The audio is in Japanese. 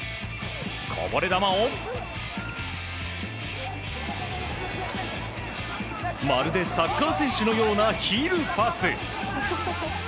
こぼれ球をまるでサッカー選手のようなヒールパス。